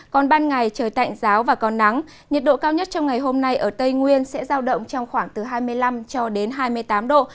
còn ban ngày trời tạnh giáo và còn nắng nhiệt độ cao nhất trong ngày hôm nay ở tây nguyên sẽ giao động trong khoảng từ hai mươi năm cho đến hai mươi tám độ